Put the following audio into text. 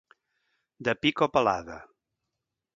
De pic o palada.